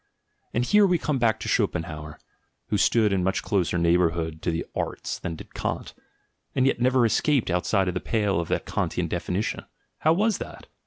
And here we come back to Schopenhauer, who stood in much closer neighbourhood to the arts than did Kant, and yet never escaped outside the pale of the Kantian definition; how was that?